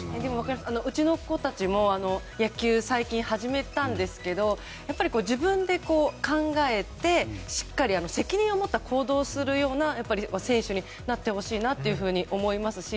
うちの子たちも野球を最近始めたんですがやっぱり自分で考えてしっかり責任を持った行動をするような選手になってほしいと思います。